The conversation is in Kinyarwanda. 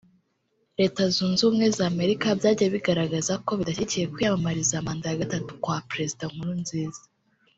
Leta Zunze Ubumwe za Amerika byagiye bigaragaza ko bidashyigikiye kwiyamamariza manda ya gatatu kwa Perezida Nkurunziza